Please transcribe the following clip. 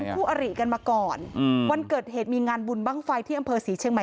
คู่อริกันมาก่อนอืมวันเกิดเหตุมีงานบุญบ้างไฟที่อำเภอศรีเชียงใหม่